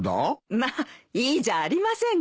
まあいいじゃありませんか。